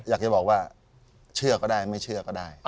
อยากจะบอกว่าเชื่อก็ได้ไม่เชื่อก็ได้